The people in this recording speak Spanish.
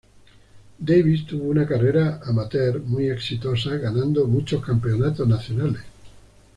Davis tuvo una carrera amateur muy exitosa, ganando muchos campeonatos nacionales.